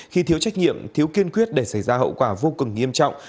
khi thiếu trách nhiệm thiếu kiên quyết để xảy ra hậu quả vô cùng nghiêm trọng